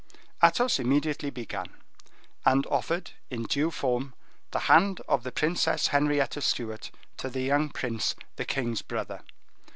Athos immediately began and offered in due form the hand of the Princess Henrietta Stuart to the young prince, the king's brother.